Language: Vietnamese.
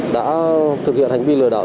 đã thực hiện hành vi lừa đảo